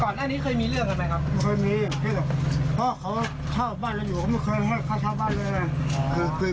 ไม่เคยมีเพราะเขาเช่าบ้านแล้วอยู่ก็ไม่เคยให้ค่าเช่าบ้านเลย